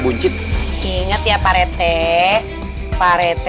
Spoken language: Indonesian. buncit inget ya parete parete